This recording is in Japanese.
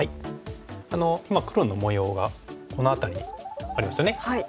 今黒の模様がこの辺りにありますよね。